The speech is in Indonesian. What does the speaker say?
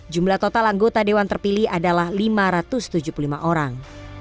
jumlah total anggota dewan terpilih adalah lima ratus tujuh puluh lima orang